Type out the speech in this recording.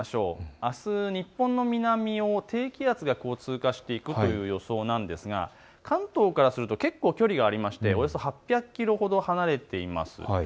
あす、日本の南を低気圧が通過していくという予想なんですが関東からすると結構距離がありましておよそ８００キロほど離れています。